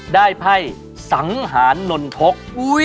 ได้ไพ่ศังหานนนทก